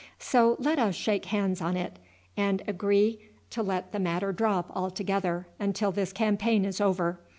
So let us shake hands on it, and agree to let the matter drop altogether until this campaign is over.